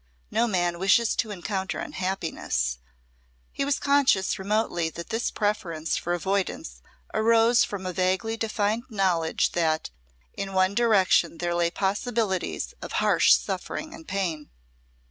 No man wishes to encounter unhappiness; he was conscious remotely that this preference for avoidance arose from a vaguely defined knowledge that in one direction there lay possibilities of harsh suffering and pain.